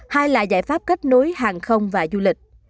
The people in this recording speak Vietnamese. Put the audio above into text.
hai là giải pháp kết nối hàng không và du lịch